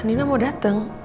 dino mau dateng